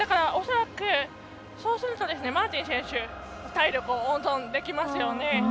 そうすると、マーティン選手体力を温存できますよね。